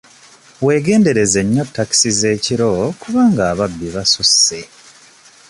Weegendereze nnyo takisi z'ekiro kubanga ababbi basusse.